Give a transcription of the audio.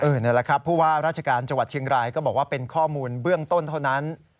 เพราะว่าราชการจังหวัดเชียงรายก็บอกว่าเป็นข้อมูลเบื้องต้นเท่านั้น